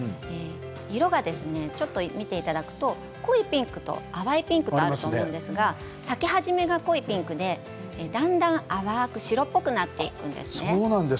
色がですね、見ていただくと濃いピンクと淡いピンクとあると思うんですが咲き始めが濃いピンクでだんだん淡く白っぽくなっていくんですね。